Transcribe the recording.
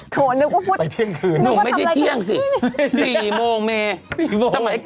กระเบียนน้ำตาล